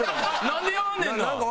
なんで嫌がんねんな！